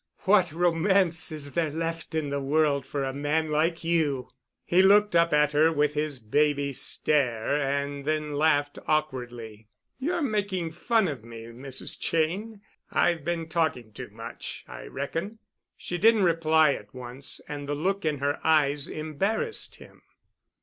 What romance is there left in the world for a man like you?" He looked up at her with his baby stare and then laughed awkwardly. "You're making fun of me, Mrs. Cheyne. I've been talking too much, I reckon." She didn't reply at once, and the look in her eyes embarrassed him.